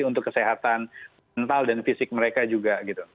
untuk kesehatan mental dan fisik mereka juga